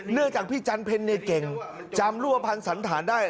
เนื่องจากพี่จันเพ็ญนี่เก่งจำรั่วพันธุ์สันฐานได้